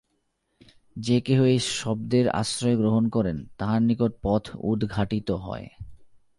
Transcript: যে কেহ এই শব্দের আশ্রয় গ্রহণ করেন, তাঁহার নিকট পথ উদ্ঘাটিত হয়।